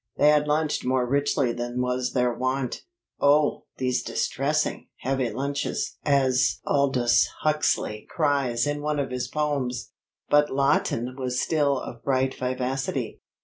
They had lunched more richly than was their wont. "Oh, these distressing, heavy lunches!" as Aldous Huxley cries in one of his poems. But Lawton was still of bright vivacity.